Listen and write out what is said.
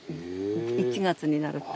１月になると。